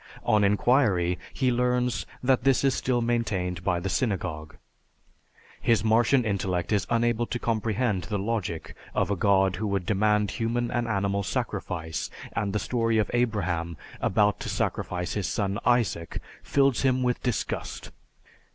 On inquiry, he learns that this is still maintained by the synagogue. His Martian intellect is unable to comprehend the logic of a God who would demand human and animal sacrifice, and the story of Abraham about to sacrifice his son Isaac fills him with disgust.